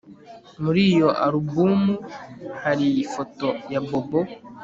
Muri iyo alubumu hari ifoto ya Bobo